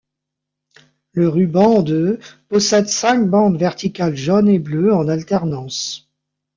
Le ruban de possède cinq bandes verticales jaunes et bleues en alternance.